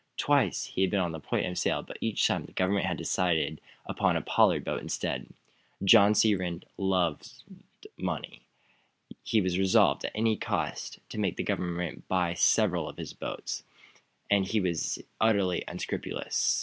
Twice he had been on the point of a sale, but each time the government had decided upon a Pollard boat, instead. John C. Rhinds loved money. He was resolved, at any cost, to make the government buy several of his boats. And he was utterly unscrupulous.